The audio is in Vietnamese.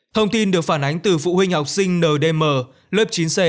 thông tin được phản ánh từ phụ huynh học sinh ndm lớp chín c